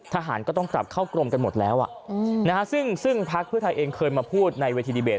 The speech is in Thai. ทหารก็ต้องกลับเข้ากรมกันหมดแล้วซึ่งพักเพื่อไทยเองเคยมาพูดในเวทีดีเบต